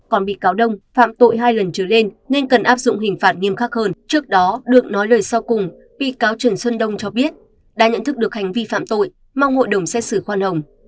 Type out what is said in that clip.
còn bị cáo đông phạm tội hai lần trở lên nên cần áp dụng hình phạt nghiêm khắc hơn trước đó được nói lời sau cùng bị cáo trần xuân đông cho biết đã nhận thức được hành vi phạm tội mong hội đồng xét xử khoan hồng